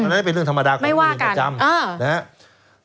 อันนั้นเป็นเรื่องธรรมดาของเรียนประจำไม่ว่ากัน